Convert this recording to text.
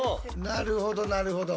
なるほどなるほど。